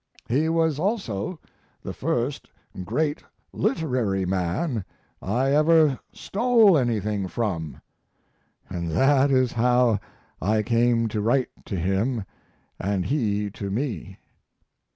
He was also the first great literary man I ever stole anything from, and that is how I came to write to him and he to me.